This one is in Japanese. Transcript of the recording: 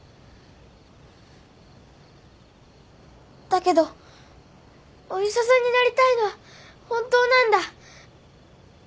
だけどお医者さんになりたいのは本当なんだ。